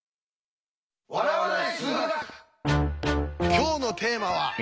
今日のテーマはえ？